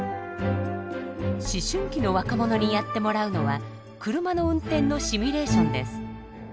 思春期の若者にやってもらうのは車の運転のシミュレーションです。